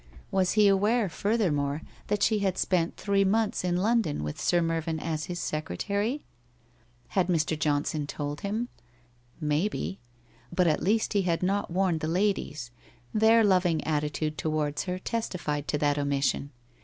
Was he aware, furthermore, that she had spent three months in London with Sir Mervyn as his secretary? Had Mr. Johnson told him? Maybe? But at least he had not warned the ladies; their loving attitude towards her testified to that omission.